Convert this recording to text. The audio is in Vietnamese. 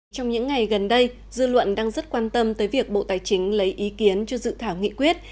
trong những ngày gần đây dư luận đang rất quan tâm tới việc bộ tài chính lấy ý kiến cho dự thảo nghị quyết